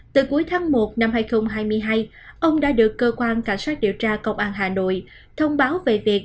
từ cuối tháng một năm hai nghìn hai mươi hai ông đã được cơ quan cảnh sát điều tra công an hà nội thông báo về việc